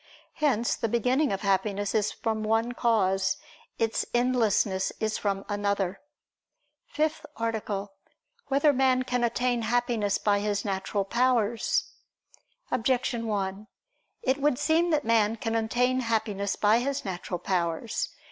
Hence the beginning of happiness is from one cause, its endlessness is from another. ________________________ FIFTH ARTICLE [I II, Q. 5, Art. 5] Whether Man Can Attain Happiness by His Natural Powers? Objection 1: It would seem that man can attain Happiness by his natural powers.